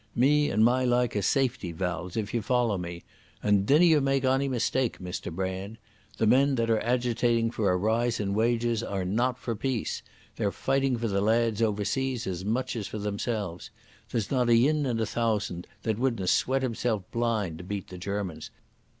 Me and my like are safety valves, if ye follow me. And dinna you make ony mistake, Mr Brand. The men that are agitating for a rise in wages are not for peace. They're fighting for the lads overseas as much as for themselves. There's not yin in a thousand that wouldna sweat himself blind to beat the Germans.